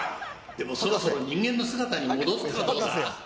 でも、そろそろ人間の姿に戻ったらどうだ？